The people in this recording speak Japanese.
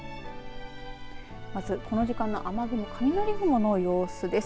まずこの時間の雨雲雷雲の様子です。